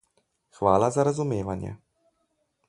Hvala za razumevanje.